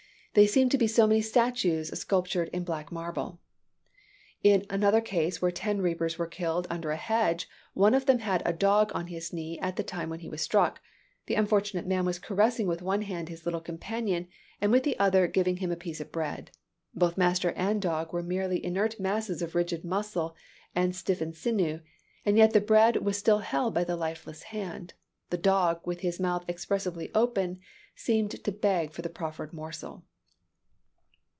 They seemed so many statues sculptured in black marble." "In another case where ten reapers were killed under a hedge, one of them had a dog on his knee at the time when he was struck. The unfortunate man was caressing with one hand his little companion, and with the other giving him a piece of bread. Both master and dog were merely inert masses of rigid muscle and stiffened sinew, and yet the bread was still held by the lifeless hand. The dog, with his mouth expressively open, seemed still to beg for the proffered morsel."